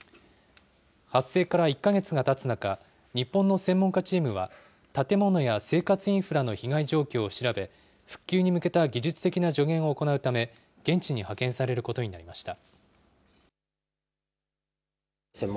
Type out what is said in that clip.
発生から１か月がたつ中、日本の専門家チームは建物や生活インフラの被害状況を調べ、復旧に向けた技術的な助言を行うため、現地に派遣されることになりました。